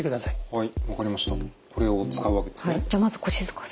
はい。